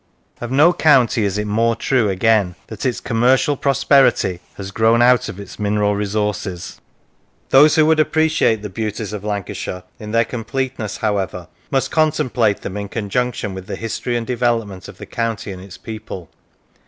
Of no county is it more true, again, that its commercial prosperity has grown out of its mineral resources. Those who would appreciate the beauties of Lan cashire in their completeness, however, must con template them in conjunction with the history and development of the county and its people.